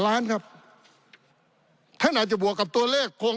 ปี๑เกณฑ์ทหารแสน๒